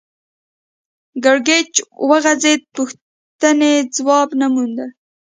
کړکېچ وغځېد پوښتنې ځواب نه موندل